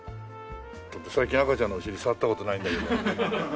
最近赤ちゃんのお尻触った事ないんだけど。